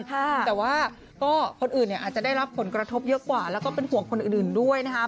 แต่ว่าก็คนอื่นเนี่ยอาจจะได้รับผลกระทบเยอะกว่าแล้วก็เป็นห่วงคนอื่นด้วยนะครับ